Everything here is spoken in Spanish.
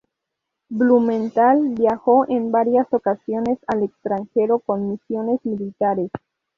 Blumenthal viajó en varias ocasiones al extranjero con misiones militares.